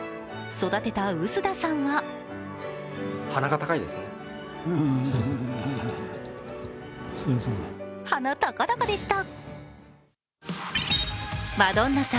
育てた臼田さんは鼻高々でした。